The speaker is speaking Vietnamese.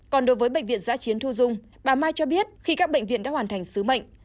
còn đối với bệnh viện giã chiến thu dung bà mai cho biết khi các bệnh viện đã hoàn thành sứ mệnh